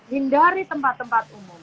hindari tempat tempat umum